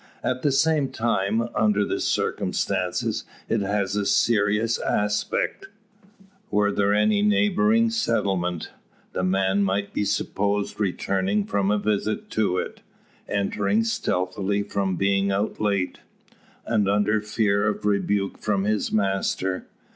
At the same time, under the circumstances, it has a serious aspect. Were there any neighbouring settlement, the man might be supposed returning from a visit to it; entering stealthily, from being out late, and under fear of rebuke from his master.